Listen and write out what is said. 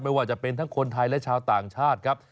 ไม่ว่าจะเป็นทั้งคนไทยและชาวต่างชาติครับ